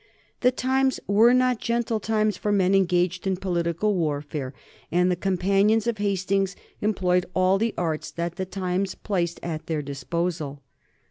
The times were not gentle times for men engaged in political warfare, and the companions of Hastings employed all the arts that the times placed at their disposal.